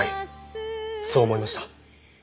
そう思いました。